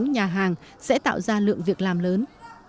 nhà hàng sẽ tạo ra lượng việc làm lớn